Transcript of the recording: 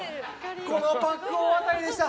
このパック大当たりでした。